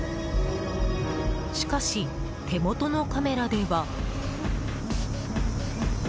しかし、手元のカメラでは。